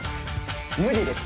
無理です。